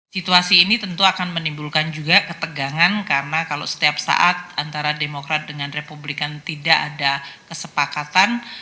situasi ini tentu akan menimbulkan juga ketegangan karena kalau setiap saat antara demokrat dengan republikan tidak ada kesepakatan